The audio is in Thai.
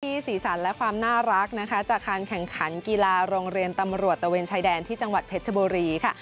สีสันและความน่ารักนะคะจากการแข่งขันกีฬาโรงเรียนตำรวจตะเวนชายแดนที่จังหวัดเพชรชบุรีค่ะ